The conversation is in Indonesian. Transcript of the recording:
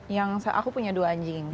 yang aku punya dua anjing